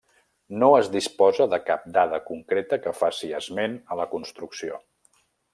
No es disposa de cap dada concreta que faci esment a la construcció.